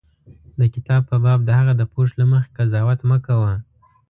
د کتاب په باب د هغه د پوښ له مخې قضاوت مه کوه.